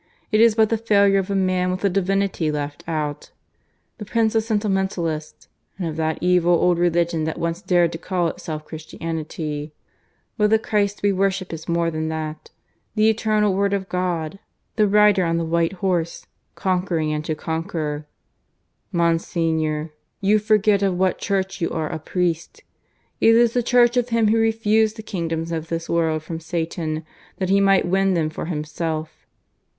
It is but the failure of a Man with the Divinity left out ... the Prince of sentimentalists, and of that evil old religion that once dared to call itself Christianity. But the Christ we worship is more than that the Eternal Word of God, the Rider on the White Horse, conquering and to conquer.... Monsignor, you forget of what Church you are a priest! It is the Church of Him who refused the kingdoms of this world from Satan, that He might win them for Him self.